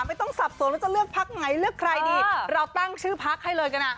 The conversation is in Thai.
สับสนว่าจะเลือกพักไหนเลือกใครดีเราตั้งชื่อพักให้เลยกันอ่ะ